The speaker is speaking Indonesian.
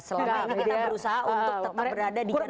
selama ini kita berusaha untuk tetap berada di bandara